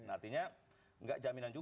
artinya nggak jaminan juga